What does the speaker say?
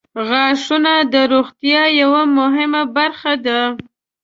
• غاښونه د روغتیا یوه مهمه برخه ده.